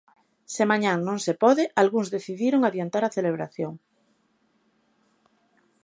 Se mañá non se pode, algúns decidiron adiantar a celebración.